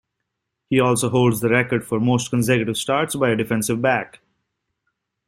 He also holds the record for most consecutive starts by a defensive back.